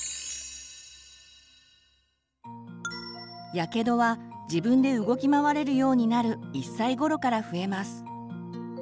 やけどは自分で動き回れるようになる１歳ごろから増えます。